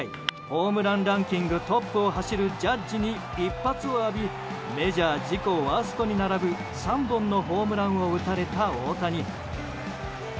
ホームランランキングトップを走るジャッジに一発を浴びメジャー自己ワーストに並ぶ３本のホームランを打たれた大谷。